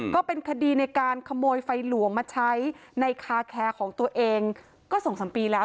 ก็เป็นคดีในการขโมยไฟหลวงมาใช้ในคาแคร์ของตัวเองก็๒๓ปีแล้ว